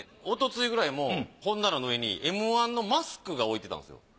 おとついくらいも本棚の上にＭ−１のマスクが置いてたんすよ。